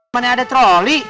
mana ada troli